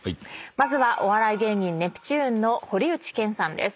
まずはお笑い芸人ネプチューンの堀内健さんです。